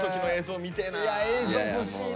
いや映像欲しいな。